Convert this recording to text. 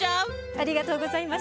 ありがとうございます。